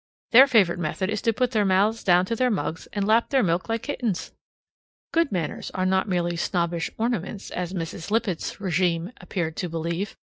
Their favorite method is to put their mouths down to their mugs and lap their milk like kittens. Good manners are not merely snobbish ornaments, as Mrs. Lippett's regime appeared to believe.